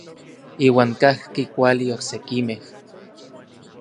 Iuan kajki kuali oksekimej.